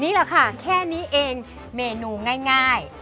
นี่แหละค่ะแค่นี้เองเมนูง่าย